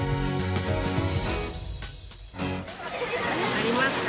ありますか？